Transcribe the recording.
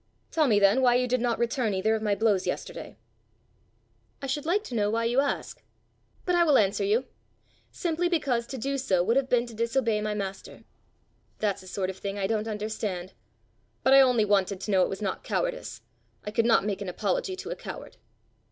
"Tell me then why you did not return either of my blows yesterday." "I should like to know why you ask but I will answer you: simply because to do so would have been to disobey my master." "That's a sort of thing I don't understand. But I only wanted to know it was not cowardice; I could not make an apology to a coward."